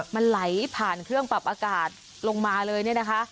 มันไหลผ่านเครื่องปรับอากาศลงมาเลยเนี่ยนะคะ